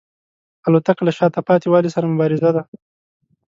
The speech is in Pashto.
الوتکه له شاته پاتې والي سره مبارزه ده.